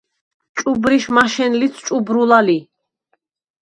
ჭუბრიშ მაშენ ლიც ჭუბრულა ლი.